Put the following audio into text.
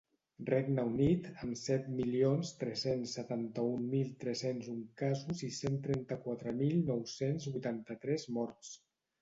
Regne Unit, amb set milions tres-cents setanta-un mil tres-cents un casos i cent trenta-quatre mil nou-cents vuitanta-tres morts.